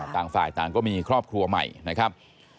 ต่างฝ่ายต่างก็มีครอบครัวใหม่นะครับ